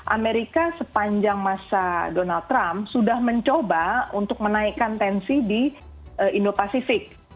amerika sepanjang masa donald trump sudah mencoba untuk menaikkan tensi di indo pasifik